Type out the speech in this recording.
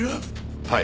はい。